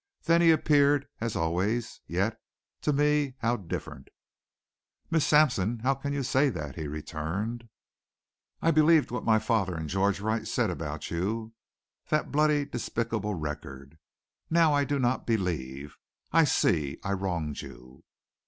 Then he appeared as always yet, to me, how different! "Miss Sampson, how can you say that?" he returned. "I believed what my father and George Wright said about you that bloody, despicable record! Now I do not believe. I see I wronged you."